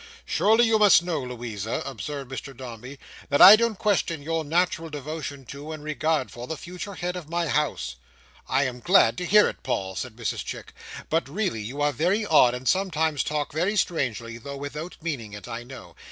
"Surely you must know, Louisa," observed Mr Dombey, "that I don't question your natural devotion to, and regard for, the future head of my house." "I am glad to hear it, Paul," said Mrs Chick; "but really you are very odd, and sometimes talk very strangely, though without meaning it, I know.